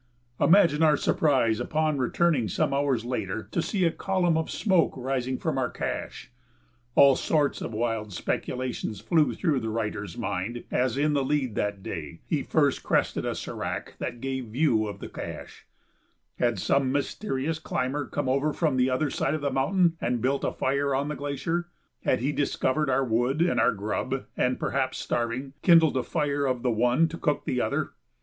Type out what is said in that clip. Imagine our surprise, upon returning some hours later, to see a column of smoke rising from our cache. All sorts of wild speculations flew through the writer's mind as, in the lead that day, he first crested the sérac that gave view of the cache. Had some mysterious climber come over from the other side of the mountain and built a fire on the glacier? Had he discovered our wood and our grub and, perhaps starving, kindled a fire of the one to cook the other?